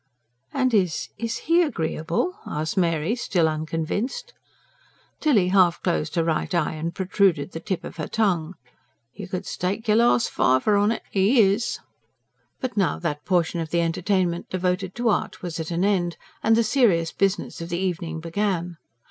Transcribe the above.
"And is ... is HE agreeable?" asked Mary, still unconvinced. Tilly half closed her right eye and protruded the tip of her tongue. "You could stake your last fiver on it, he is!" But now that portion of the entertainment devoted to art was at an end, and the serious business of the evening began.